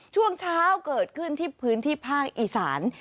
ช่วงเช้าเกิดขึ้นที่พื้นที่ภาคอีสาน